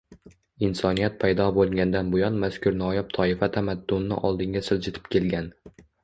Insoniyat paydo bo‘lgandan buyon mazkur noyob toifa tamaddunni oldinga siljitib kelgan.